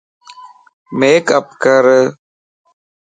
ميڪ اپ ڪر